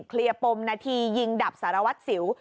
เคลียร์ปมนาทียิงดับสารวัตรสิว